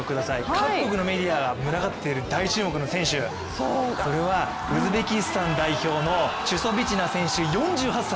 各国のメディアが群がっている大注目の選手、それはウズベキスタン代表のチュソビチナ選手、４８歳。